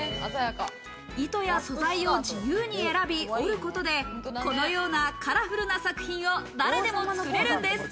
糸や素材を自由に選び織ることで、このようなカラフルな作品を誰でも作れるんです。